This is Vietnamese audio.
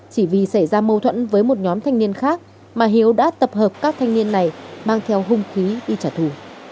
chỉ vì xảy ra mâu thuẫn với một nhóm thanh niên khác mà hiếu đã tập hợp các thanh niên này mang theo hung khí đi trả thù